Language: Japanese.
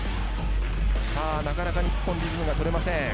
なかなか日本リズムが取れません。